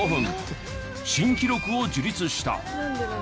新記録を樹立した。